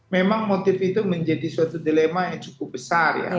memang motif itu menjadi suatu dilema yang cukup besar ya